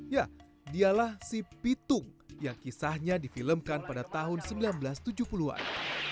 ya dialah si pitung yang kisahnya difilmkan pada tahun seribu sembilan ratus tujuh puluh an